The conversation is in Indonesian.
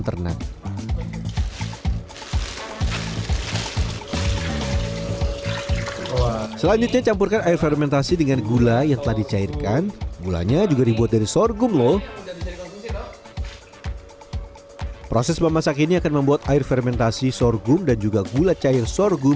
serta muncul jamur berwarna orangnya yang bernama jamur risopus menyelimuti permukaan sorghum